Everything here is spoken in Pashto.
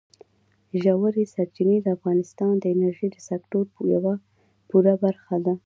ژورې سرچینې د افغانستان د انرژۍ د سکتور یوه پوره برخه ده.